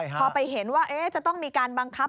พอไปเห็นว่าจะต้องมีการบังคับ